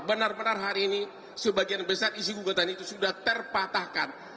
benar benar hari ini sebagian besar isi gugatan itu sudah terpatahkan